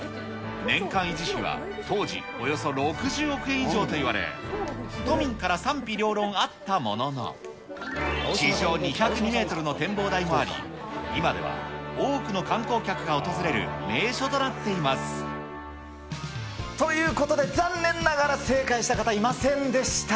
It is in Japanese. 年間維持費は当時およそ６０億円以上といわれ、都民から賛否両論あったものの、地上２０２メートルの展望台もあり、今では多くの観光客が訪れるということで、残念ながら正解した方いませんでした。